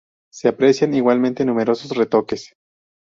Se aprecian igualmente numerosos retoques.